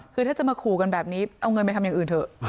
คือถ้าจะมาขู่กันแบบนี้เอาเงินไปทำอย่างอื่นเถอะ